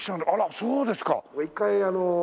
そうですね。